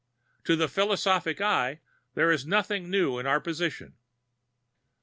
To the philosophic eye, there is nothing new in our position.